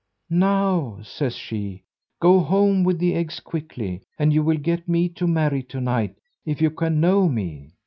"Now," says she, "go home with the eggs quickly, and you will get me to marry to night if you can know me.